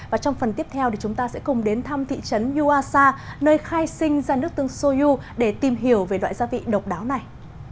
và trong phần tiếp theo thì chúng ta sẽ cùng đến thăm thị trấn yuasa nơi khai sinh ra nước tương soyu để tìm hiểu về loại gia vị độc đáo này